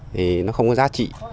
thì nó không có giá trị